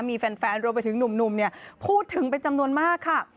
มีแฟนรวมไปถึงหนุ่มพูดถึงเป็นจำนวนมากค่ะ